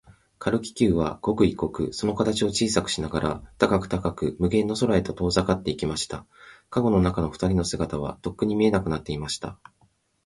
軽気球は、刻一刻、その形を小さくしながら、高く高く、無限の空へと遠ざかっていきました。かごの中のふたりの姿は、とっくに見えなくなっていました。